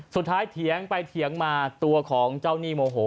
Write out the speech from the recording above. สุดท้ายเถียงไปเถียงมาตัวของเจ้านี่โมโห